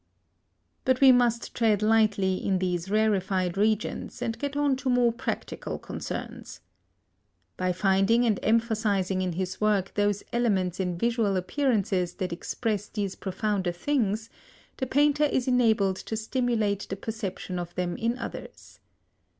But we must tread lightly in these rarefied regions and get on to more practical concerns. By finding and emphasising in his work those elements in visual appearances that express these profounder things, the painter is enabled to stimulate the perception of them in others.